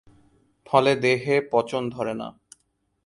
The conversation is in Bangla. ফলে দেহে পচন ধরেনা।